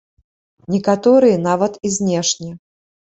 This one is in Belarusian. Некаторыя нават і знешне.